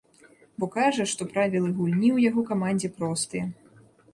Бо кажа, што правілы гульні ў яго камандзе простыя.